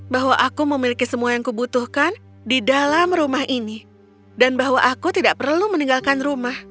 bahwa aku memiliki semua yang kubutuhkan di dalam rumah ini dan bahwa aku tidak perlu meninggalkan rumah